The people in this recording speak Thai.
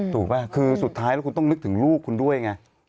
ป่ะคือสุดท้ายแล้วคุณต้องนึกถึงลูกคุณด้วยไง